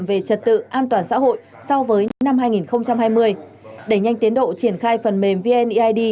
về trật tự an toàn xã hội so với năm hai nghìn hai mươi đẩy nhanh tiến độ triển khai phần mềm vneid